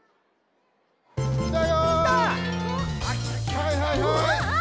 はいはいはい！